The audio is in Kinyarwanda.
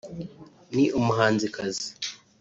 ni umuhanzikazi